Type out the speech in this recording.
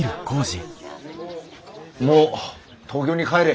もう東京に帰れ。